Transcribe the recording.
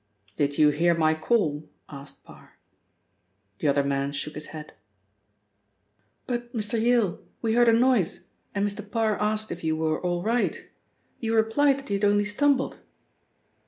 "Did you hear my call?" asked Parr. The other man shook his head. "But, Mr. Yale, we heard a noise and Mr. Parr asked if you were all right. You replied that you had only stumbled."